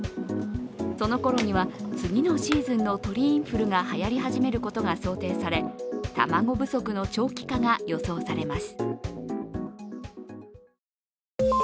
そのころには次のシーズンの鳥インフルがはやり始めることが想定され卵不足の長期化が予想されます。